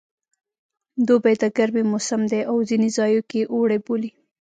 دوبی د ګرمي موسم دی او ځینې ځایو کې اوړی بولي